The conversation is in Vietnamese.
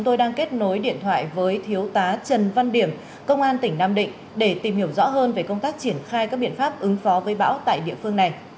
trong tình huống xấu có thể xảy ra thì sẽ triển khai các biện pháp ứng phó với bão tại địa phương này